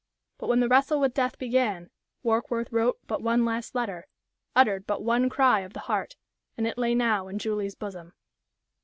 But when the wrestle with death began, Warkworth wrote but one last letter, uttered but one cry of the heart, and it lay now in Julie's bosom.